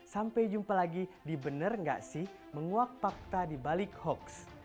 sampai jumpa lagi di bener nggak si menguak fakta di balik hoaks